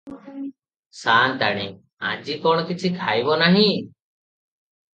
ସା’ନ୍ତାଣୀ – ଆଜି କ’ଣ କିଛି ଖାଇବ ନାହିଁ?